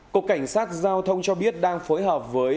cục cảnh sát giao thông cho biết đang phối hợp với